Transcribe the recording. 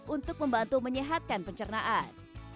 untuk membantu menyehatkan pencernaan